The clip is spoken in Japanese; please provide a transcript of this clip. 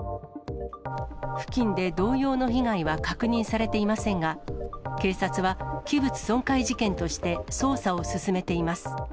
付近で同様の被害は確認されていませんが、警察は、器物損壊事件として捜査を進めています。